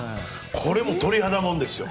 これも鳥肌もんですよ。